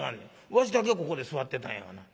わしだけここで座ってたんやがな。